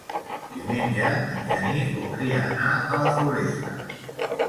Diumenge en Genís voldria anar a la Floresta.